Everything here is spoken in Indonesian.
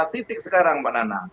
titik sekarang pak nana